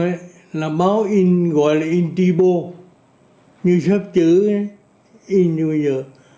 cái đầu tiên là báo in gọi là in tri bô như xếp chữ in như bây giờ